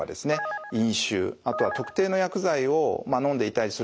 飲酒あとは特定の薬剤をのんでいたりするとですね